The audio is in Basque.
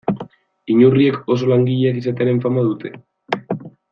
Inurriek oso langileak izatearen fama dute.